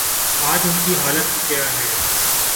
آج ان کی حالت کیا ہے؟